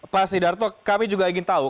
pak sidarto kami juga ingin tahu